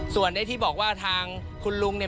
ส่วนที่บอกว่าทางคุณลุงเนี่ย